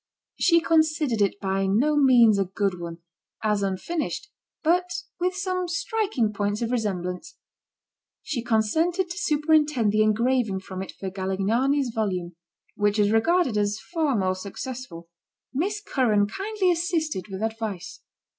She considered it by no means a good one, as unfinished, but with some striking points of resem blance. She consented to superintend the engraving from it for Galignani's volume, which was regarded as far more successful. Miss Curran kindly assisted with advice.